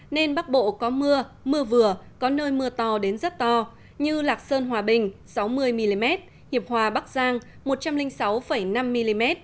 nên bắc bộ có mưa mưa vừa có nơi mưa to đến rất to như lạc sơn hòa bình sáu mươi mm hiệp hòa bắc giang một trăm linh sáu năm mm